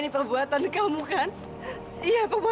dia tahu jawabannya apa